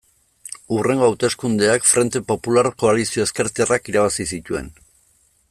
Hurrengo hauteskundeak Frente Popular koalizio ezkertiarrak irabazi zituen.